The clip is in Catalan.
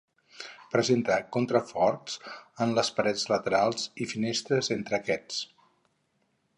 Presenta contraforts en les parets laterals i finestres entre aquests.